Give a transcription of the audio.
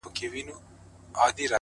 په تورو سترگو کي کمال د زلفو مه راوله ـ